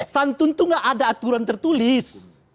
santun itu nggak ada aturan tertulis